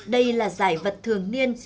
đây là giải vật thường niên